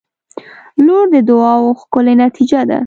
• لور د دعاوو ښکلی نتیجه ده.